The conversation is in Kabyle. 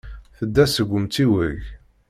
Tedda seg umtiweg.